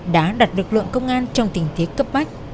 đã đặt lực lượng công an trong tình thế cấp bách